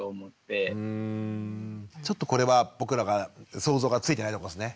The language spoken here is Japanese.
ちょっとこれは僕らが想像がついてないとこですね。